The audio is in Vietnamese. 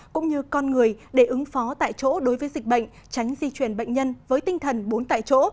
cũng như con người để ứng phó tại chỗ đối với dịch bệnh tránh di chuyển bệnh nhân với tinh thần bốn tại chỗ